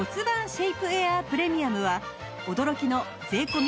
シェイプエアープレミアムは驚きの税込